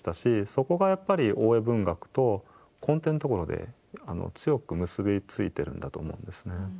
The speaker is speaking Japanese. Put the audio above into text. そこがやっぱり大江文学と根底のところで強く結び付いてるんだと思うんですね。